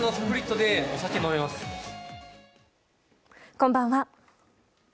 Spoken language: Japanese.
こんばんは。